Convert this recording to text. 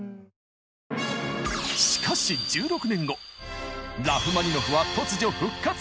しかしラフマニノフは突如復活！